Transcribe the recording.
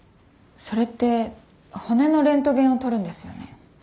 それって骨のレントゲンを撮るんですよね？